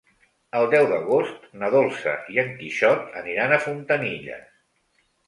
El deu d'agost na Dolça i en Quixot aniran a Fontanilles.